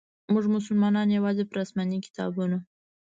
موږ مسلمانانو یوازي پر اسماني کتابونو.